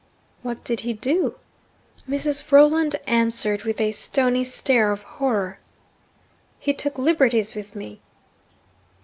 'What did he do?' Mrs. Rolland answered, with a stony stare of horror: 'He took liberties with me.'